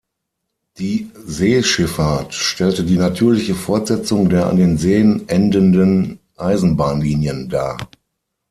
Die Seeschifffahrt stellte die natürliche Fortsetzung der an den Seen endenden Eisenbahnlinien dar.